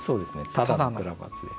「ただの倉松です」。